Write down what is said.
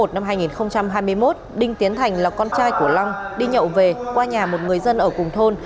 năm hai nghìn hai mươi một đinh tiến thành là con trai của long đi nhậu về qua nhà một người dân ở cùng thôn